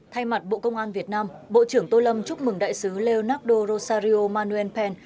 thay mặt bộ công an việt nam bộ trưởng tô lâm chúc mừng đại sứ leonardo rosario manuel pen